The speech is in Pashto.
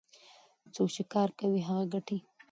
څوک چې کار کوي هغه ګټي.